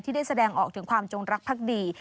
ได้แสดงออกถึงความจงรักภักดี